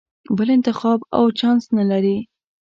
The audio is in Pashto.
بل انتخاب او چانس نه لرې.